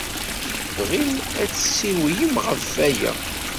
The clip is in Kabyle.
Ur tebɣim ad d-tessiwlem ɣef waya.